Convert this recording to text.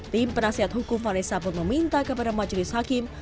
tim penasihat hukum vanessa pun meminta kepada majelis hakim